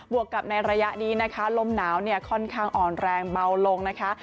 วกกับในระยะนี้นะคะลมหนาวเนี่ยค่อนข้างอ่อนแรงเบาลงนะคะ